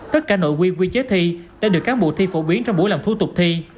tất cả nội quy quy chế thi đã được cán bộ thi phổ biến trong buổi làm thủ tục thi